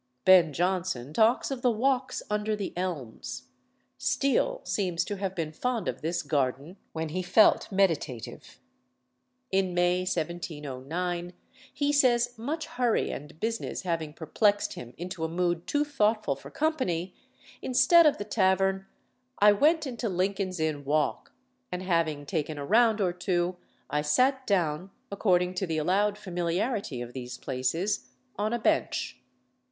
Ben Jonson talks of the walks under the elms. Steele seems to have been fond of this garden when he felt meditative. In May 1709, he says much hurry and business having perplexed him into a mood too thoughtful for company, instead of the tavern "I went into Lincoln's Inn Walk, and having taken a round or two, I sat down, according to the allowed familiarity of these places, on a bench."